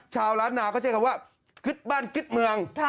ชาวล้านนาเขาใช้คำว่าคิดบ้านคิดเมือง